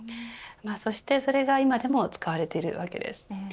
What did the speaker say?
そしてそれが今でも使われているわけです。